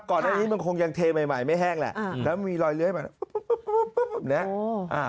ก่อนนี้มันคงยังเทใหม่ไม่แห้งแหละแล้วมีรอยเลื้อยมา